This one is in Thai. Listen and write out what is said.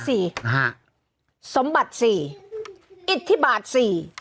สมบัติ๔